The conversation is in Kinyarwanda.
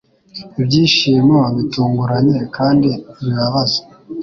Ibyishimo bitunguranye kandi bibabaz